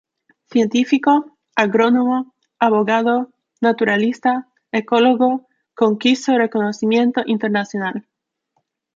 Científico, agrónomo, abogado, naturalista, ecólogo, conquistó reconocimiento internacional.